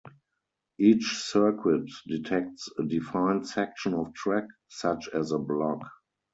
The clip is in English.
Each circuit detects a defined section of track, such as a block.